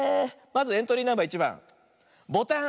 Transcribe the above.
まずエントリーナンバー１ばんボタン。